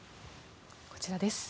こちらです。